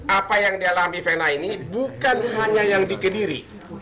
apa yang dialami fena ini bukan hanya yang dikediri